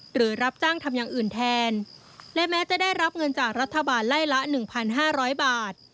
หรือรับจ้างทำอย่างอื่นแทนและแม้จะได้รับเงินจากรัฐบาลไล่ละ๑๕๐๐บาท